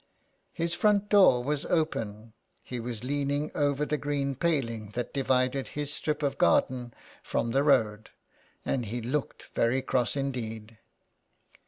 His front door was open, he was leaning over the green paling that divided his strip of garden from the road, and he looked very cross indeed.